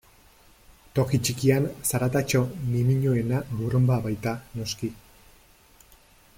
Toki txikian, zaratatxo ñimiñoena burrunba baita, noski.